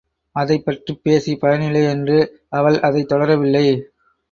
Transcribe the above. அதைப்பற்றிப் பேசிப் பயனில்லை என்று அவள் அதைத் தொடரவில்லை.